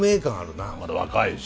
まだ若いし。